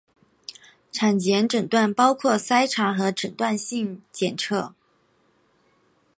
产前诊断包括筛查和诊断性检测。